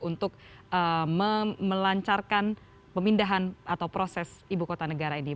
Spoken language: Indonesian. untuk melancarkan pemindahan atau proses ibu kota negara ini